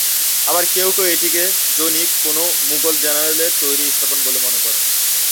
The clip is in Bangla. আবার কেউ কেউ এটিকে জনৈক কোন মুঘল জেনারেলের তৈরি স্থাপনা বলে মনে করেন।